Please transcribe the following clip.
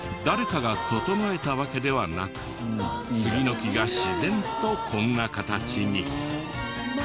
誰かが整えたわけではなく杉の木が自然とこんな形に。